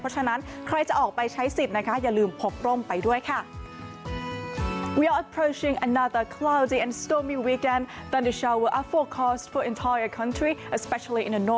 เพราะฉะนั้นใครจะออกไปใช้สิทธิ์นะคะอย่าลืมพกร่มไปด้วยค่ะ